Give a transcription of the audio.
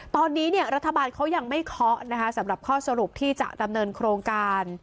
ตอนนี้รัฐบาลเขายังไม่เคาะนะคะสำหรับข้อสรุปที่จะดำเนินโครงการ